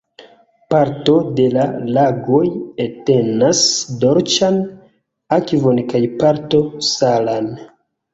Parto de la lagoj entenas dolĉan akvon kaj parto salan.